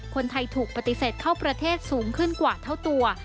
คนไทยถูกปฏิเสธเข้าประเทศสูงขึ้นกว่าเท่าตัว